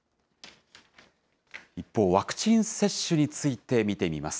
一方、ワクチン接種について見てみます。